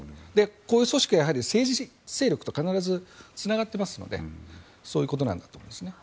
こういう組織はやはり政治勢力と必ずつながっていますのでそういうことなんだと思います。